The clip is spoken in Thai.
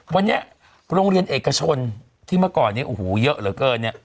วันนี้โรงเรียนเอกชนที่เมื่อก่อนเยอะเหลือเกิน